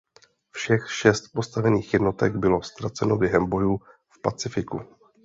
Všech šest postavených jednotek bylo ztraceno během bojů v Pacifiku.